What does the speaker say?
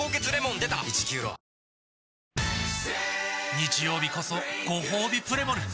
日曜日こそごほうびプレモル！